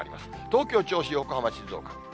東京、銚子、横浜、静岡。